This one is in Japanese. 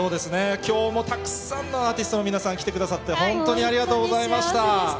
きょうもたくさんのアーティストの皆さん、来てくださって、本当にありがと幸せでした。